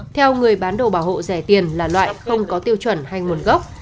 theo người bán đồ bảo hộ rẻ tiền là loại không có tiêu chuẩn hay nguồn gốc